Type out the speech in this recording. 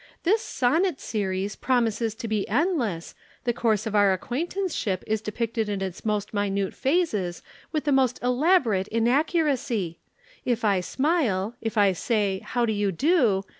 This 'Sonnet Series' promises to be endless, the course of our acquaintanceship is depicted in its most minute phases with the most elaborate inaccuracy if I smile, if I say: 'How do you do?'